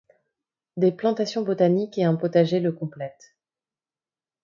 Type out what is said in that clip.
Des plantations botaniques et un potager le complètent.